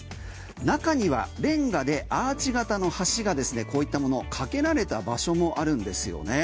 中にはレンガでアーチ型の橋がこういったものかけられた場所もあるんですよね。